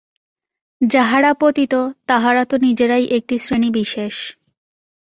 যাহারা পতিত, তাহারা তো নিজেরাই একটি শ্রেণীবিশেষ।